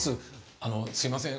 あのすいません。